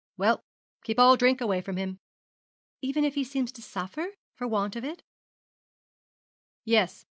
'Well, keep all drink away from him.' 'Even if he seems to suffer for want of it?' 'Yes.